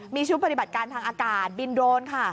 มีชุดปฏิบัติการทางอากาศบินโดรนค่ะ